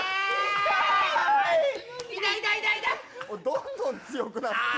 どんどん強くなってる。